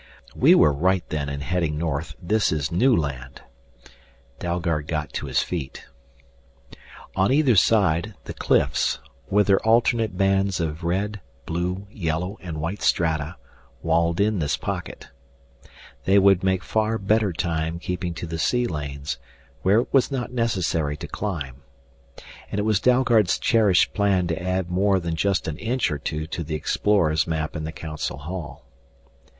"We were right then in heading north; this is new land." Dalgard got to his feet. On either side, the cliffs, with their alternate bands of red, blue, yellow, and white strata, walled in this pocket. They would make far better time keeping to the sea lanes, where it was not necessary to climb. And it was Dalgard's cherished plan to add more than just an inch or two to the explorers' map in the Council Hall.